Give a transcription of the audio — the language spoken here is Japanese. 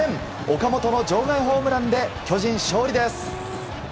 岡本の場外ホームランで巨人、勝利です。